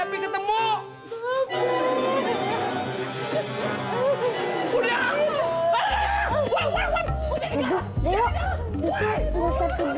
masa nyakitin burung cepi